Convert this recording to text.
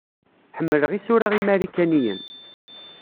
Ḥemmleɣ isura imarikaniyen.